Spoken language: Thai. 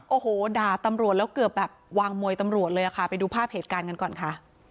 โอ้โหด่าตำรวจแล้วเกือบแบบวางมวยตำรวจเลยค่ะไปดูภาพเหตุการณ์กันก่อนค่ะ